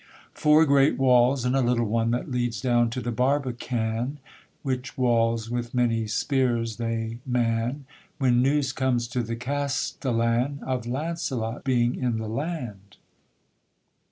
Four great walls, and a little one That leads down to the barbican, Which walls with many spears they man, When news comes to the castellan Of Launcelot being in the land.